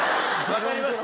分かります。